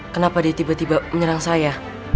kenapa dia tiba tiba menyerang saya